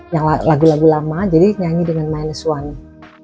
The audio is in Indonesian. yang lagu lagu lama jadi nyanyi dengan minus one